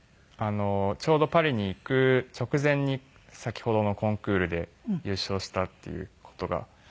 ちょうどパリに行く直前に先ほどのコンクールで優勝したっていう事がありまして。